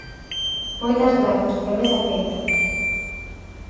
Moitas grazas, promesa feita.